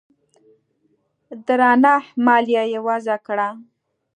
درنه مالیه یې وضعه کړه